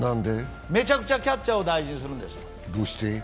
めちゃくちゃキャッチャーを大事にするんですよ。